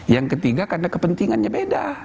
yang ketiga karena kepentingannya beda